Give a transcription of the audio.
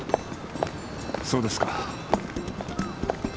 そうですか。